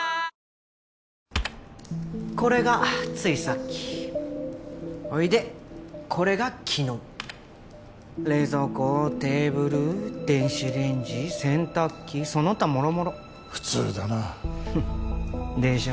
これがついさっきほいでこれが昨日冷蔵庫テーブル電子レンジ洗濯機その他もろもろ普通だなでしょ